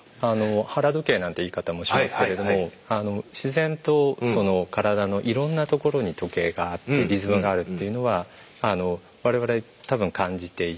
腹時計なんて言い方もしますけれども自然とその体のいろんなところに時計があってリズムがあるというのは我々多分感じていて。